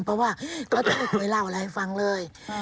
เพราะว่าเขาจะไม่เคยเล่าอะไรให้ฟังเลย